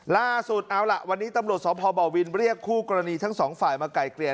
ล่าสุดเอาล่ะวันนี้ตำรวจสพบวินเรียกคู่กรณีทั้งสองฝ่ายมาไกลเกลี่ย